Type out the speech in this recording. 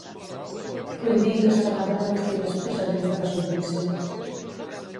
Vull dir que es pagaven amb els diners procedents de la subvenció.